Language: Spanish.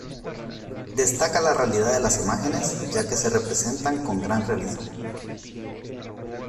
Destaca la realidad de las imágenes ya que se representan con gran realismo.